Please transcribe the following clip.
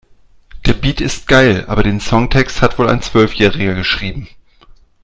Der Beat ist geil, aber den Songtext hat wohl ein Zwölfjähriger geschrieben.